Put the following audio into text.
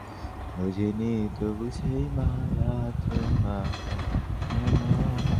সুসংবাদ হচ্ছে আপনার কেসটা আমার কাছে।